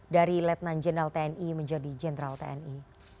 dari letnan jenderal tni menjadi jenderal tni